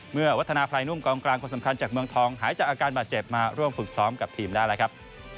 วัฒนาพลายนุ่มกองกลางคนสำคัญจากเมืองทองหายจากอาการบาดเจ็บมาร่วมฝึกซ้อมกับทีมได้แล้วครับ